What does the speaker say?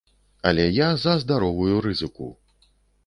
Але я за здаровую рызыку.